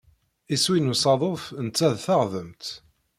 Iswi n usaḍuf netta d taɣdemt.